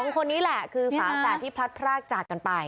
๒คนนี้แหละคือฝาแฝดที่พลัดพรากจากกันไป